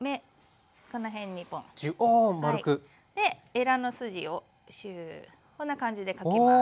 エラの筋をシューこんな感じで描きます。